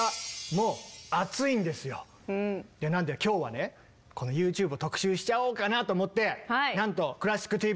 なんで今日はねこのＹｏｕＴｕｂｅを特集しちゃおうかなと思ってなんと「クラシックＴＶ」時間を拡大して。